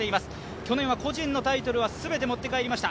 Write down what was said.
去年は個人のタイトルは全て持って帰りました。